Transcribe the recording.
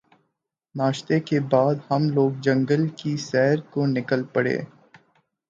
ناشتے کے بعد ہم لوگ جنگل کی سیر کو نکل پڑے